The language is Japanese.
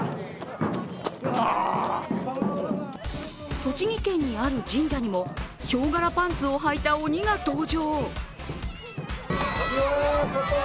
栃木県にある神社にもヒョウ柄パンツをはいた鬼が登場。